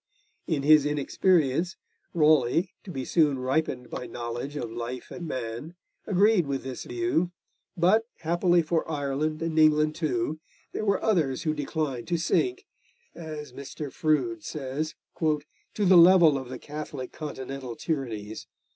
In his inexperience, Raleigh, to be soon ripened by knowledge of life and man, agreed with this view, but, happily for Ireland and England too, there were others who declined to sink, as Mr. Froude says, 'to the level of the Catholic continental tyrannies.'